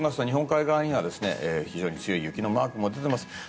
日本海側には非常に強い雪のマークが出ています。